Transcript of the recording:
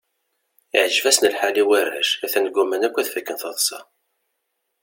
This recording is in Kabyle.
Iɛǧeb-asen lḥal i warrac, atnan gguman akk ad fakken taḍsa.